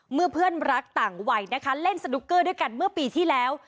เมื่อเพื่อนรักต่างวัยนะคะเล่นสนุกเกอร์ด้วยกันเมื่อปีที่แล้ว